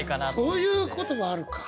そういうこともあるか。